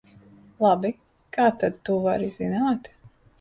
Labi, kā tad tu vari zināt?